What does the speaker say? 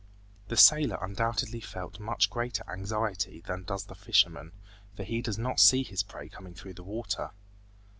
The sailor undoubtedly felt much greater anxiety than does the fisherman, for he does not see his prey coming through the water.